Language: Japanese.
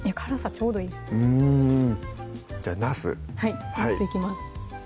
ちょうどいいですねじゃあなすはいなすいきます